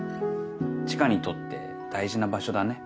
知花にとって大事な場所だね。